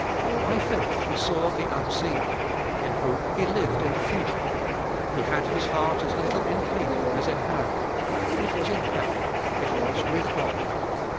By faith He saw the unseen ; in hope he lived in the future. He had his heart as little in Canaan as in Haran; it was in heaven ; it was with God.